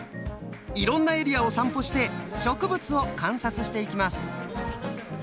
いろんなエリアを散歩して植物を観察していきます。